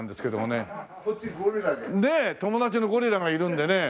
ねえ友達のゴリラがいるんでね。